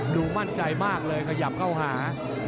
ดูมั่นใจมากเลยขยับเข้าหา